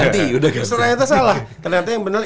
ternyata salah ternyata yang benar